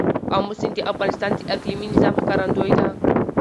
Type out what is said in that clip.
آمو سیند د افغانستان د اقلیمي نظام ښکارندوی ده.